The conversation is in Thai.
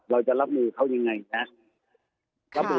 เราจะรับมือเขายังไงครับ